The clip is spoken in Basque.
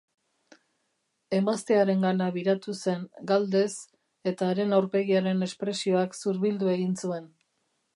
Emaztearengana biratu zen, galdez, eta haren aurpegiaren espresioak zurbildu egin zuen.